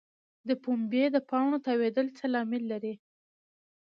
د پنبې د پاڼو تاویدل څه لامل لري؟